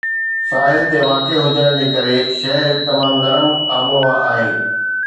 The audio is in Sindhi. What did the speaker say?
ساحل تي واقع هجڻ جي ڪري، شهر هڪ تمام نرم آبهوا آهي